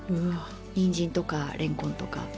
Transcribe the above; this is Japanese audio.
にんじんとかれんこんとか。